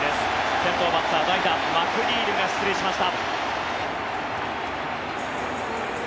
先頭バッター代打、マクニールが出塁しました。